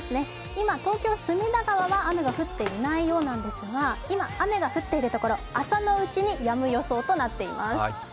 今、東京・隅田川は雨が降っていないようなんですが今雨が降っているところ朝のうちにやむ予想となっています。